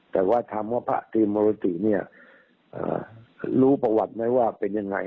แต่ว่าถามว่าพระตรีมรติเนี่ยรู้ประวัติไหมว่าเป็นยังไง